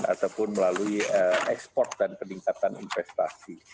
ataupun melalui ekspor dan peningkatan investasi